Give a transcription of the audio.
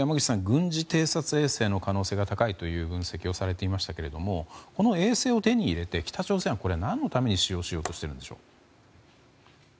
軍事偵察衛星の可能性が高いという分析をされていましたがこの衛星を手に入れて北朝鮮は何のためにこれを使用しようとしているんでしょう。